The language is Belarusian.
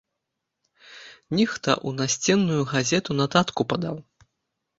Нехта ў насценную газету нататку падаў.